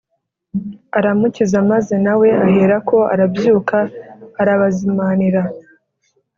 aramukiza maze nawe aherako arabyuka arabazimanira